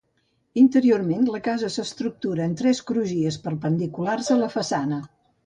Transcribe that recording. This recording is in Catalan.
Interiorment la casa s'estructura en tres crugies perpendiculars a la façana.